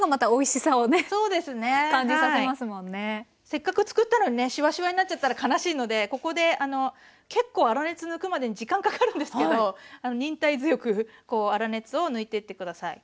せっかく作ったのにねシワシワになっちゃったら悲しいのでここで結構粗熱抜くまでに時間かかるんですけど忍耐強くこう粗熱を抜いてって下さい。